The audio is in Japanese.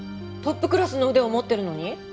トップクラスの腕を持ってるのに？